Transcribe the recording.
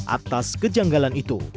atas kejanggalan itu